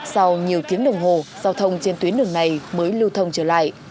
sau nhiều tiếng đồng hồ giao thông trên tuyến đường này mới lưu thông trở lại